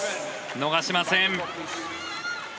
逃しません。